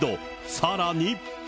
さらに。